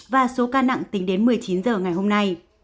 và số ca nặng tính đến một mươi chín h ngày hôm nay